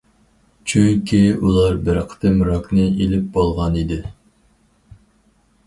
چۈنكى ئۇلار بىر قېتىم راكنى ئېلىپ بولغان ئىدى.